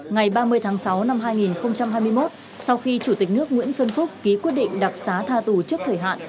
ngày ba mươi tháng sáu năm hai nghìn hai mươi một sau khi chủ tịch nước nguyễn xuân phúc ký quyết định đặc xá tha tù trước thời hạn